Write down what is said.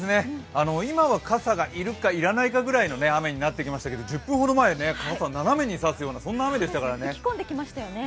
今は傘がいるかいらないかぐらいの雨になってきましたけど１０分ほど前、傘、斜めに差すような雨でしたからね。